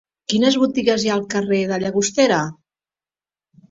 Quines botigues hi ha al carrer de Llagostera?